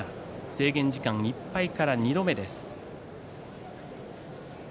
制限時間いっぱいから２度目です。